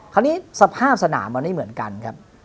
คราวนี้สภาพสนามอันนี้เหมือนกันครับ